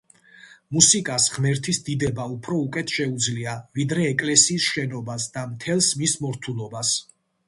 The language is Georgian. მუსიკას ღმერთის დიდება უფრო უკეთ შეუძლია, ვიდრე ეკლესიის შენობას და მთელს მის მორთულობას.